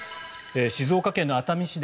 静岡県熱海市で